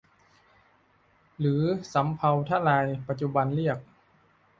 หรือสำเภาทะลายปัจจุบันเรียก